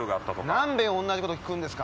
何べん同じこと訊くんですか！？